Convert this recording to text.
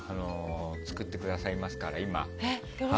作ってくださいますから今。